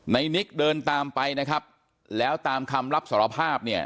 นิกเดินตามไปนะครับแล้วตามคำรับสารภาพเนี่ย